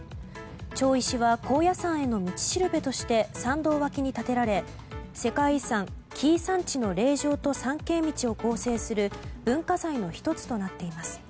町石は高野山への道しるべとして参道脇に建てられ世界遺産紀伊山地の霊場と参詣道を構成する文化財の１つとなっています。